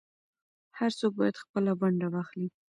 هر څوک بايد خپله ونډه واخلي.